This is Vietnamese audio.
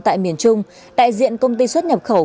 tại miền trung đại diện công ty xuất nhập khẩu